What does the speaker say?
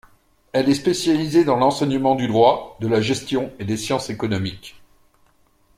Elle est spécialisée dans l'enseignement du droit, de la gestion, et des sciences économiques.